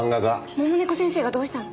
桃猫先生がどうしたの？